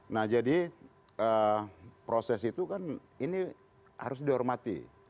nah jadi proses itu kan ini harus dihormati